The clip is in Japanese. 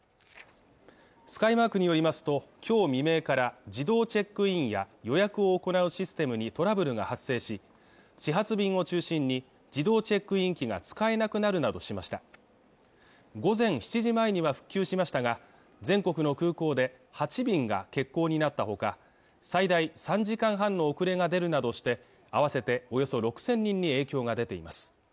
スカイマークによりますときょう未明から自動チェックインや予約を行うシステムにトラブルが発生し始発便を中心に自動チェックイン機が使えなくなるなどしました午前７時前には復旧しましたが全国の空港で８便が欠航になったほか最大３時間半の遅れが出るなどして合わせておよそ６０００人に影響が出ています